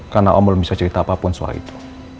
karena om belum bisa cerita apapun soal itu